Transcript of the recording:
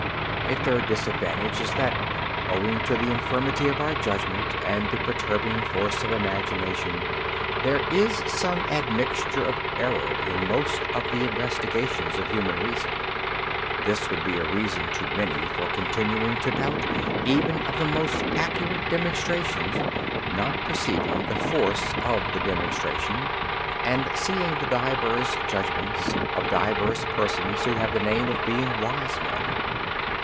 "A third disadvantage is that, owing to the infirmity of our judgment and the perturbing force of imagination, there is some admixture of error in most of the investigations of human reason. This would be a reason to many for continuing to doubt even of the most accurate demonstrations, not perceiving the force of the demonstration, and seeing the divers judgments, of divers persons who have the name of being wise men.